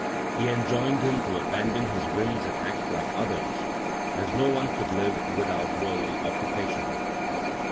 He enjoined him to abandon his whims and act like others, as no one could live without worldly occupation.